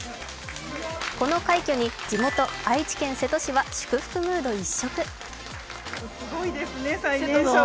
この快挙に地元・愛知県瀬戸市は祝福ムード一色。